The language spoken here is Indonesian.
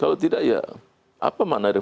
kalau tidak ya apa makna